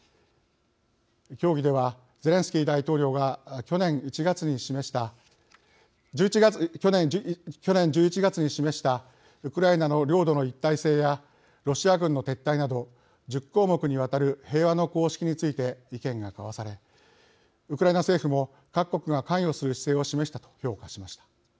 協議では、ゼレンスキー大統領が去年１１月に示したウクライナの領土の一体性やロシア軍の撤退など１０項目にわたる平和の公式について意見が交わされウクライナ政府も各国が関与する姿勢を示したと評価しました。